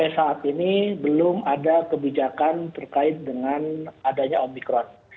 saat ini belum ada kebijakan terkait dengan adanya omikron